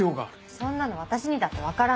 そんなの私にだって分からない。